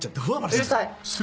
うるさい。